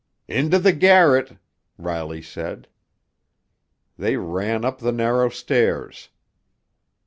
"Into the garret!" Riley said. They ran up the narrow stairs.